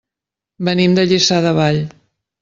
Venim de Lliçà de Vall.